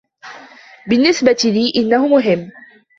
بالنسبة لي، إنه مهم.